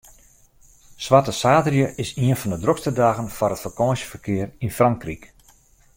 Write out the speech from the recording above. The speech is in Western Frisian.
Swarte saterdei is ien fan de drokste dagen foar it fakânsjeferkear yn Frankryk.